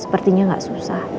sepertinya gak susah